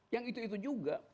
yang itu itu juga